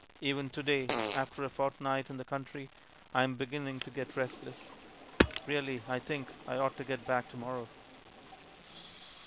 Even to day, after a fortnight in the country, I am beginning to get restless. Really, I think I ought to get back to morrow.